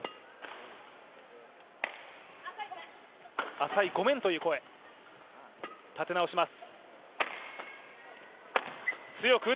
浅い、ごめんという声、立て直します。